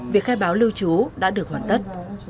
việc khai báo lưu trú đã được hoàn tất